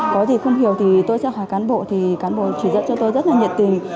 có gì không hiểu thì tôi sẽ hỏi cán bộ thì cán bộ chỉ dẫn cho tôi rất là nhiệt tình